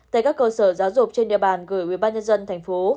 tại các cơ sở giáo dục trên địa bàn gửi ubnd tp